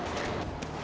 baca dia dong